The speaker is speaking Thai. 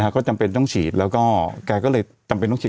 ก็จำเป็นต้องฉีดก็ฉีด